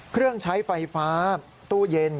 เครื่องใช้ไฟฟ้าตู้เย็น